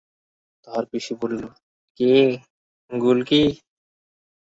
তাহার পিসি বলিল, কে, গুলকী?